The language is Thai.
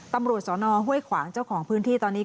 ตำรวจสนห้วยขวางเจ้าของพื้นที่ตอนนี้